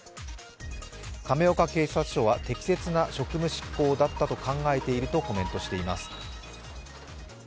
亀岡警察署は適切な職務執行だったと考えているとコメントしています。